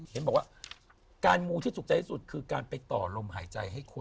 เห็นบอกว่าการมูที่ถูกใจที่สุดคือการไปต่อลมหายใจให้คน